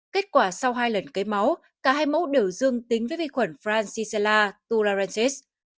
kết quả sau hai lần cấy máu cả hai mẫu đều dương tính với vi khuẩn francisella tularensis